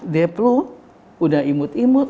dep lo udah imut imut